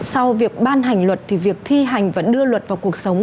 sau việc ban hành luật thì việc thi hành và đưa luật vào cuộc sống